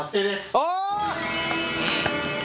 お！